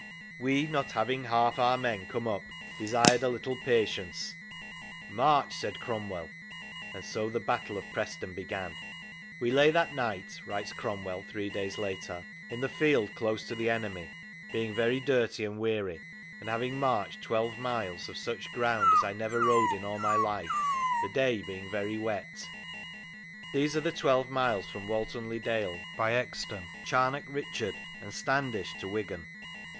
" We, not having half our men come up, desired a little patience." " March I " said Cromwell, and so the Battle of Preston began. "We lay that night, "writes Cromwell three days later, " in the field close to the enemy; being very dirty and weary, and having marched twelve miles of such ground as I never rode in all my life, the day being very wet." 102 The War of Religion These are the twelve miles from Walton le Dale, by Euxton, Charnock Richard, and Standish, to Wigan.